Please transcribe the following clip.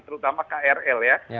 terutama krl ya